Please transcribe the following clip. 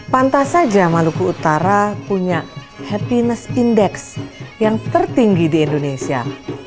pantas saja maluku utara punya happiness index yang tertinggi di indonesia